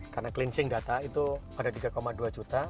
karena cleansing data itu ada tiga dua juta